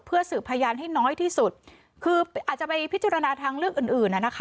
เพื่อสืบพยานให้น้อยที่สุดคืออาจจะไปพิจารณาทางลึกอื่น